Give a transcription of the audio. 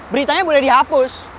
beritanya udah dihapus